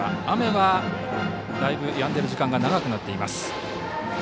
雨は、だいぶやんでいる時間が長くなっています。